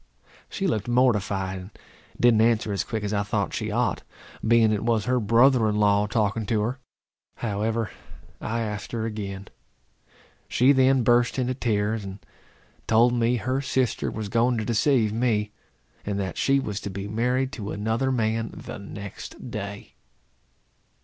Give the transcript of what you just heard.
She looked mortified, and didn't answer as quick as I thought she ought, being it was her brother in law talking to her. However, I asked her again. She then burst into tears, and told me her sister was going to deceive me; and that she was to be married to another man the next day.